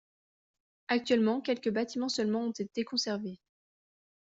Actuellement, quelques bâtiments seulement ont été conservés.